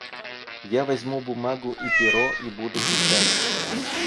Я возьму бумагу и перо и буду писать.